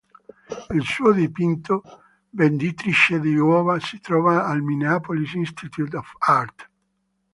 Il suo dipinto "Venditrice di uova" si trova al Minneapolis Institute of Art.